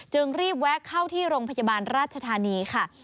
จึงรีบแวะเข้าที่โรงพยาบาลราชธานีค่ะ